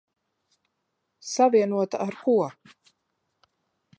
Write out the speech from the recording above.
Savienota ar ko?